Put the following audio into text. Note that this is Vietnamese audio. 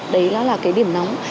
đấy đó là cái điểm nóng